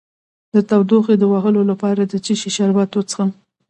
د تودوخې د وهلو لپاره د څه شي شربت وڅښم؟